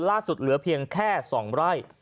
ล่าสุดเหลือเพียงแค่๒ไร่